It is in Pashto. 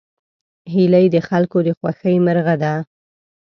هیلۍ د خلکو د خوښې مرغه ده